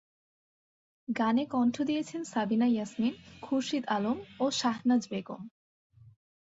গানে কণ্ঠ দিয়েছেন সাবিনা ইয়াসমিন, খুরশিদ আলম ও শাহনাজ বেগম।